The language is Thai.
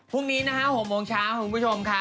พรุ่งนี้๖โมงเช้าขอบคุณผู้ชมค่ะ